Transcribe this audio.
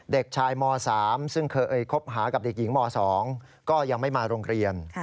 เด็กชายม๓ซึ่งเคยคบหากับเด็กหญิงม๒ก็ยังไม่มาโรงเรียน